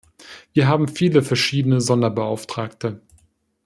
Wir haben viele verschiedene Sonderbeauftragte.